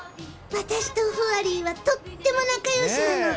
私とフワリーはとっても仲よしなの。